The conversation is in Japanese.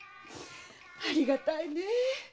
ありがたいねえ！